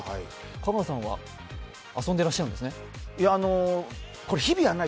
香川さんは遊んでらっしゃるんですね。